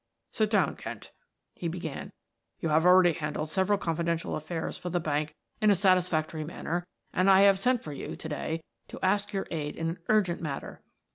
"Sit down, Kent," he began. "You have already handled several confidential affairs for the bank in a satisfactory manner, and I have sent for you to day to ask your aid in an urgent matter.